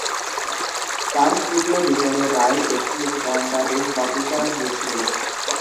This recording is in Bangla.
তার তৃতীয় বিচারের রায়, একটি দণ্ডাদেশ, বাতিল করা হয়েছিল।